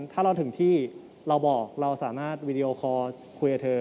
ถ้าเราถึงที่เราบอกเราสามารถวีดีโอคอร์คุยกับเธอ